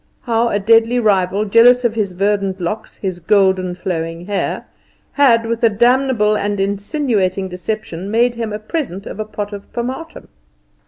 How a deadly rival, jealous of his verdant locks, his golden flowing hair, had, with a damnable and insinuating deception, made him a present of a pot of pomatum.